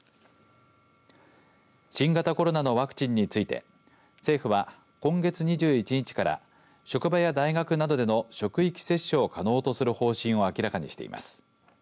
新型コロナのワクチンについて政府は今月２１日から職場や大学などでの職域接種を可能とする方針を明らかにしています。